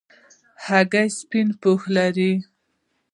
هګۍ سپینه پوښ لري.